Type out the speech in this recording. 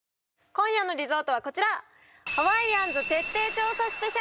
今夜のリゾートはこちら！